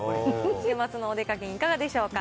週末のお出かけにいかがでしょうか。